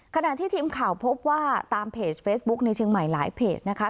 ขณะที่ทีมข่าวพบว่าตามเพจเฟซบุ๊คในเชียงใหม่หลายเพจนะคะ